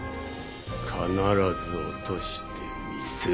必ず落としてみせます！